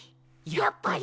やっぱり。